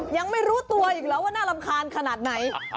ยังไม่รู้ตัวอีกแล้วว่าน่ารำคาญขนาดไหน